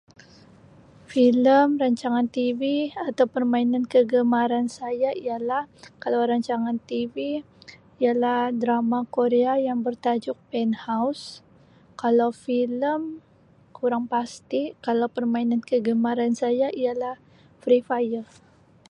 Filem rancangan TV atau permainan kegemaran saya ialah kalau rancangan TV ialah drama korea yang bertajuk Penthouse kalau filem kurang pasti kalau permainan kegemaran saya ialah Free Fire.